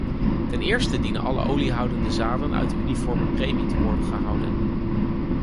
Ten eerste dienen alle oliehoudende zaden uit de uniforme premie te worden gehouden.